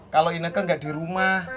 kalau ineke gak di rumah